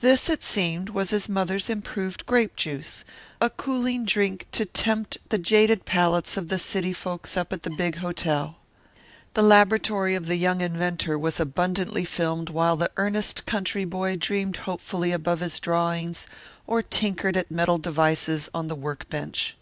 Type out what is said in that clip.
This, it seemed, was his mother's improved grape juice, a cooling drink to tempt the jaded palates of the city folks up at the big hotel. The laboratory of the young inventor was abundantly filmed while the earnest country boy dreamed hopefully above his drawings or tinkered at metal devices on the work bench.